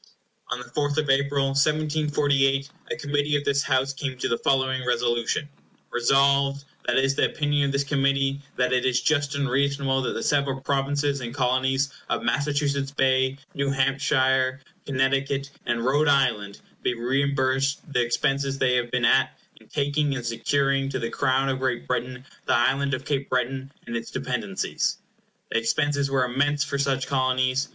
On the 4th of April, 1748, a Committee of this House came to the following resolution: "Resolved: That it is the opinion of this Committee that it is just and reasonable that the several Provinces and Colonies of Massachusetts Bay, New Hampshire, Connecticut, and Rhode Island, be reimbursed the expenses they have been at in taking and securing to the Crown of Great Britain the Island of Cape Breton and its dependencies." The expenses were immense for such Colonies.